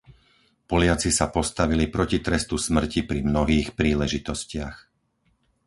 Poliaci sa postavili proti trestu smrti pri mnohých príležitostiach.